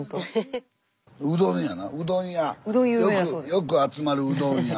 よく集まるうどん屋。